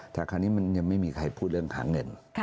แต่คราวนี้มันยังไม่มีใครพูดเรื่องหาเงิน